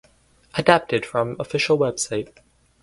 Adapted from official website.